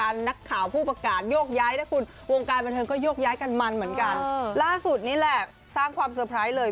ล่าสุดนี่แหละสร้างความเซอร์ไพรส์เลย